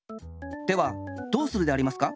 ではどうするでありますか？